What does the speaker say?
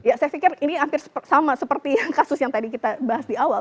ya saya pikir ini hampir sama seperti yang kasus yang tadi kita bahas di awal